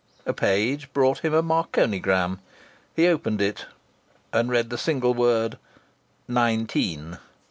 A page brought him a marconigram. He opened it and read the single word "Nineteen."